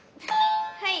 はい！